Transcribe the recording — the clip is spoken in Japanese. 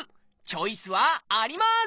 チョイスはあります！